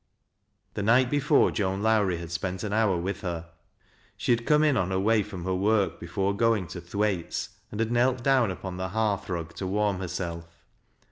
The night before Joan Lowrie had spent an hour with her. She had come in on her way from her work, before going to Thwaite's, and had knelt down upon the hearth rug to warm herself.